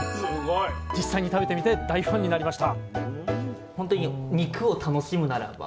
実際に食べてみて大ファンになりました